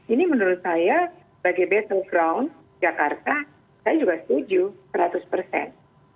ini menurut saya bagi battleground jakarta saya juga setuju seratus persen